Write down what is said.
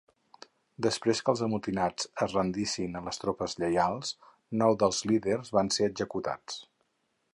Després que els amotinats es rendissin a les tropes lleials, nou dels líders van ser executats.